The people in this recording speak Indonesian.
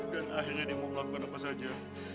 dan akhirnya dia memulakan apa saja